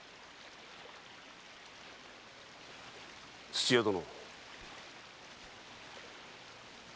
土屋殿。